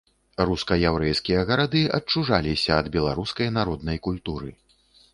Руска-яўрэйскія гарады адчужаліся ад беларускай народнай культуры.